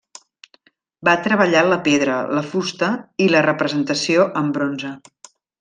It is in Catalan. Va treballar la pedra, la fusta i la representació amb bronze.